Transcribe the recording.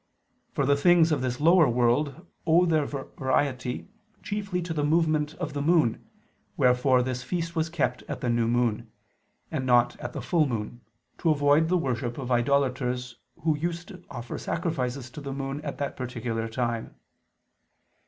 For the things of this lower world owe their variety chiefly to the movement of the moon; wherefore this feast was kept at the new moon: and not at the full moon, to avoid the worship of idolaters who used to offer sacrifices to the moon at that particular time.